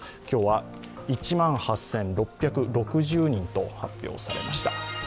今日は１万８６６０人と発表されました。